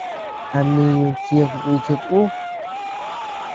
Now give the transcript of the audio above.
¿A mniñu chid nichid ú?